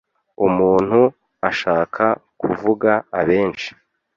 umuntu ashaka kuvuga Abenshi